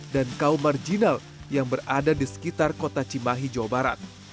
dan kaum marginal yang berada di sekitar kota cimahi jawa barat